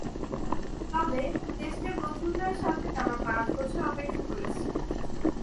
তবে, টেস্টে প্রথম জয়ের স্বাদ পেতে আমরা পাঁচ বছর অপেক্ষা করেছি।